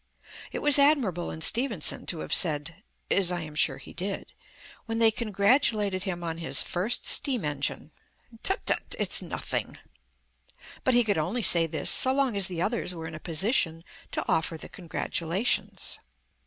It was admirable in Stephenson to have said (as I am sure he did), when they congratulated him on his first steam engine, "Tut tut, it's nothing"; but he could only say this so long as the others were in a position to offer the congratulations.